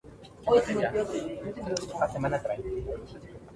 Su emisario es el río Barrancas, que aporta sus aguas al río Colorado.